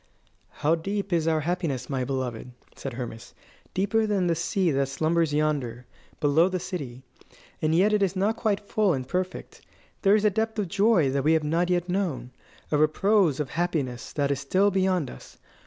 "How deep is our happiness, my beloved!" said Hermas; "deeper than the sea that slumbers yonder, below the city. And yet it is not quite full and perfect. There is a depth of joy that we have not yet known a repose of happiness that is still beyond us.